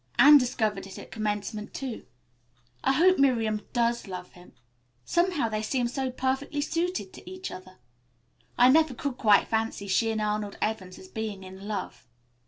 Anne discovered it at commencement, too. I hope Miriam does love him. Somehow they seem so perfectly suited to each other. I never could quite fancy she and Arnold Evans as being in love."